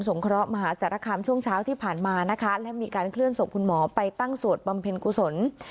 งเคราะห์มหาสารคามช่วงเช้าที่ผ่านมานะคะและมีการเคลื่อนศพคุณหมอไปตั้งสวดบำเพ็ญกุศล